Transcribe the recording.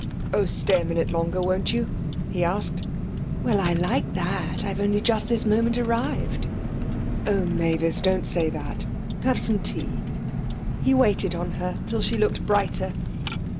'Oh, stay a minute longer, won't you?' he asked. 'Well, I like that! I've only just this moment arrived!' 'Oh, Mavis, don't say that! Have some tea.' He waited on her till she looked brighter.